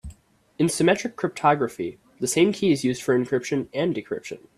In symmetric cryptography the same key is used for encryption and decryption.